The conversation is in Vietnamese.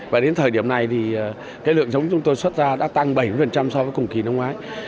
và đến thời điểm này thì cái lượng giống chúng tôi xuất ra đã tăng bảy mươi so với cùng kỳ năm ngoái